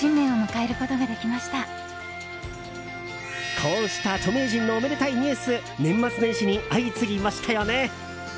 こうした著名人のおめでたいニュース年末年始に相次ぎましたよね。